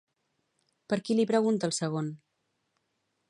Per qui li pregunta el segon?